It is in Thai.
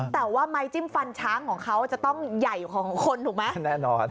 แต่ว่าไม้จิ้มฟันช้างของเขาจะต้องใหญ่กว่าของคนถูกไหม